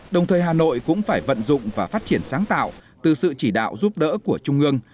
đồng thời hà nội cũng phải vận dụng và phát triển sáng tạo từ sự chỉ đạo giúp đỡ của trung ương